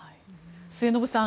末延さん